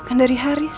bukan dari haris